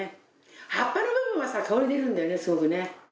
葉っぱの部分はさ香り出るんだよねすごくね。